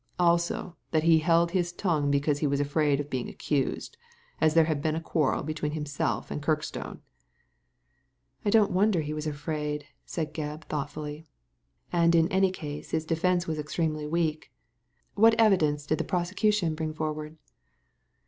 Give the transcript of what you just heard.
Also, that he held his tongue because he was afraid of being accused, as there had been a quarrel between himself and Kirkstone." ! don't wonder he was afraid," said Gebb, thoughtfully; *'and in any case his defence was extremely weak. What evidence did the prosecution bring forward